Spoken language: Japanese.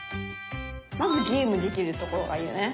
まずゲームできるところがいいよね。